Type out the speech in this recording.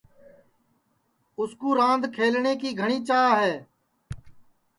اُس کُو راند کھلٹؔے کی گھٹؔی چاھ ہے